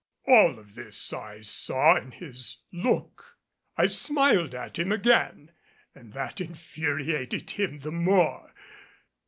] All of this I saw in his look. I smiled at him again, and that infuriated him the more.